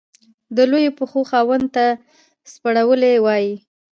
د لويو پښو خاوند ته څپړورے وائي۔